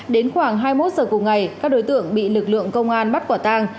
đến khoảng hai mươi một giờ cùng ngày các đối tượng bị lực lượng công an bắt quả tang